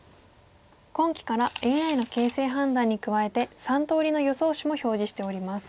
今期からＡＩの形勢判断に加えて３通りの予想手も表示しております。